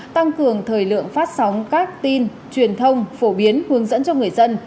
tăng cường thời lượng phát sóng các tin truyền thông phổ biến hướng dẫn cho người dân